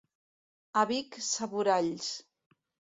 A Vic, saboralls.